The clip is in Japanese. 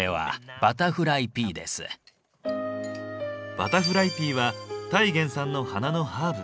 バタフライピーはタイ原産の花のハーブ。